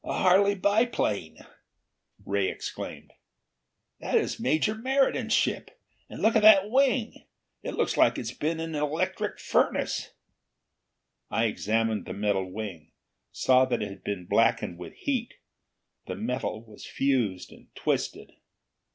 "A Harley biplane!" Ray exclaimed. "That is Major Meriden's ship! And look at that wing! It looks like it's been in an electric furnace!" I examined the metal wing; saw that it had been blackened with heat. The metal was fused and twisted.